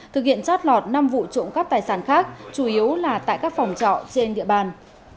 thực hiện trót lọt năm vụ trộm cắp tài sản khác chủ yếu là tại các phòng trọ trên địa bàn